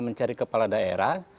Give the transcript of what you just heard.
mencari kepala daerah